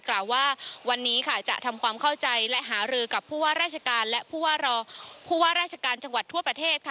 กล่าวว่าวันนี้จะทำความเข้าใจและหาเรื่องกับผู้ว่าราชการทั่วประเทศ